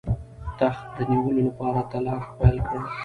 تخت د نیولو لپاره تلاښ پیل کړ.